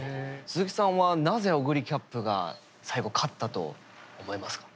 鈴木さんはなぜオグリキャップが最後勝ったと思いますか？